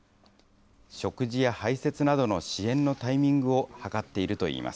食事や排せつなどの支援のタイミングをはかっているといいます。